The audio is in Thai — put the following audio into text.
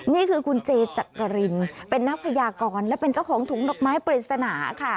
นี่คือคุณเจจักรินเป็นนักพยากรและเป็นเจ้าของถุงดอกไม้ปริศนาค่ะ